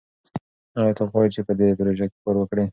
ایا ته غواړې چې په دې پروژه کې کار وکړې؟